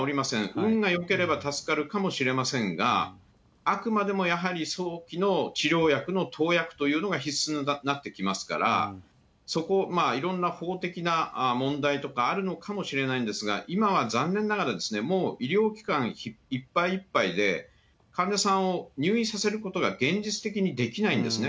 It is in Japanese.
運がよければ、助かるかもしれませんが、あくまでもやはり、早期の治療薬の投薬というのが必須になってきますから、そこを、いろんな法的な問題とかあるのかもしれないんですが、今は残念ながら、もう医療機関いっぱいいっぱいで、患者さんを入院させることが現実的にできないんですね。